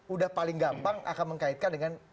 udah paling gampang akan mengkaitkan dengan